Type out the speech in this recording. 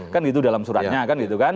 kan gitu dalam suratnya kan gitu kan